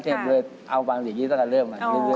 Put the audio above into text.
เราก็เอาวางอย่างนี้ตั้งแต่เลือกมาเรื่อย